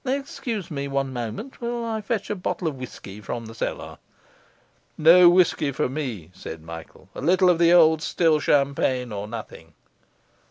Excuse me one moment till I fetch a bottle of whisky from the cellar.' 'No whisky for me,' said Michael; 'a little of the old still champagne or nothing.